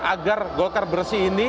agar golkar bersih ini